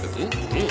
うん。